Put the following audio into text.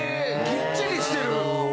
きっちりしてる。